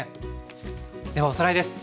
ではおさらいです。